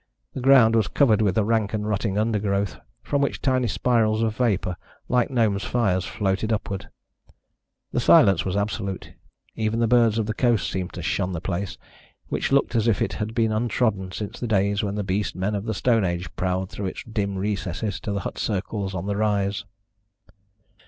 The ground was covered with a rank and rotting undergrowth, from which tiny spirals of vapour, like gnomes' fires, floated upwards. The silence was absolute; even the birds of the coast seemed to shun the place, which looked as if it had been untrodden since the days when the beast men of the Stone Age prowled through its dim recesses to the hut circles on the rise.